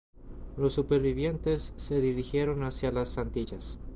Los supervivientes se dirigieron hacia las Antillas.